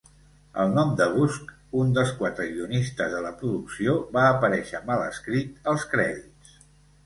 El nom de Busch, un dels quatre guionistes de la producció, va aparèixer mal escrit als crèdits.